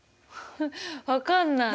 分かんない。